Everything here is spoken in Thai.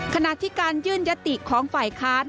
ขณะที่การยื่นยติของฝ่ายค้าน